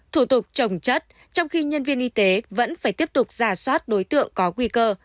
thủ tục trồng chất trong khi nhân viên y tế vẫn phải tiếp tục giả soát đối tượng có nguy cơ